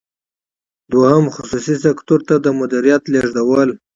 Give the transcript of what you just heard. دوهم: خصوصي سکتور ته د مدیریت لیږدول.